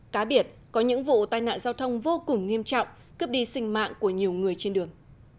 cá biệt có những vụ tai nạn giao thông vô cùng nghiêm trọng cướp đi sinh mạng của nhiều người trên đường